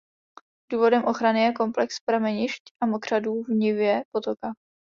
Důvodem ochrany je komplex pramenišť a mokřadů v nivě potoka.